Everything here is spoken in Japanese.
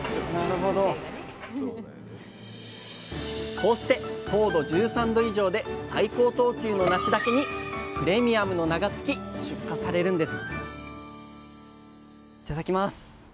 こうして糖度１３度以上で最高等級のなしだけにプレミアムの名が付き出荷されるんですいただきます。